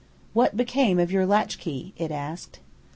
"What became of your latchkey?" it asked.